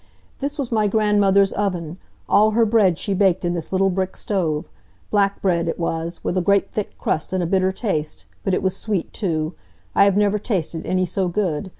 "This was my grandmother's oven. All her bread she baked in this little brick stove. Black bread it was, with a great thick crust, and a bitter taste. But it was sweet, too. I have never tasted any so good.